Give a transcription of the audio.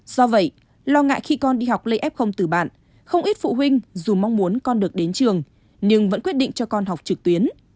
do vậy lo ngại khi con đi học lên f từ bạn không ít phụ huynh dù mong muốn con được đến trường nhưng vẫn quyết định cho con học trực tuyến